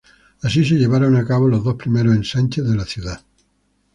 Así se llevaron a cabo los dos primeros ensanches de la ciudad.